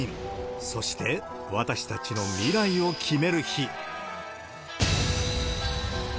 そして私たちの未来を決める日。